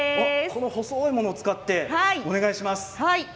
この細いものを使ってお願いします。